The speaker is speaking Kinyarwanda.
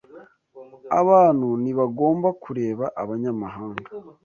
Abantu ntibagomba kureba abanyamahanga.